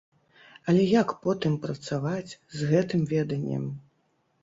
Але як потым працаваць з гэтым веданнем?